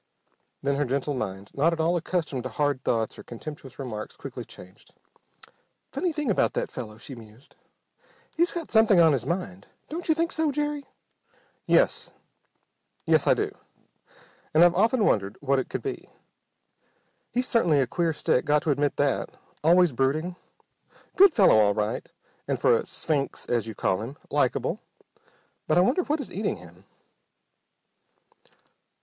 Then her gentle mind, not at all accustomed to hard thoughts or contemptuous remarks, quickly changed. "Funny thing about that fellow," she mused. "He's got something on his mind. Don't you think so, Jerry?" "Y es, yes I do. And I've often wondered what it could be. He certainly's a queer stick. Got to admit that. Always brooding. Good fellow all right, and, for a 'sphinx' as you call him, likable. But I wonder what is eating him?"